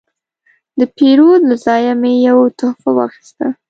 د پیرود له ځایه مې یو تحفه واخیسته.